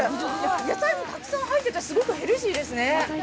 野菜もたくさん入っててすごくヘルシーですね。